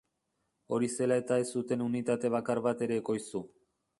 Hori zela eta ez zuten unitate bakar bat ere ekoiztu.